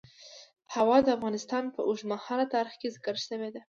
هوا د افغانستان په اوږده تاریخ کې ذکر شوی دی.